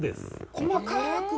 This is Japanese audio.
細かく。